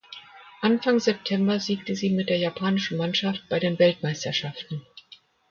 Anfang September siegte sie mit der japanischen Mannschaft bei den Weltmeisterschaften.